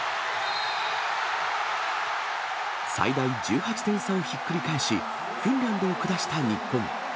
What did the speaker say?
最大１８点差をひっくり返し、フィンランドを下した日本。